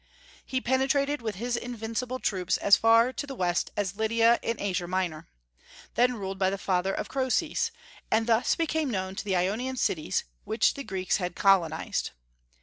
He penetrated with his invincible troops as far to the west as Lydia in Asia Minor, then ruled by the father of Croesus, and thus became known to the Ionian cities which the Greeks had colonized.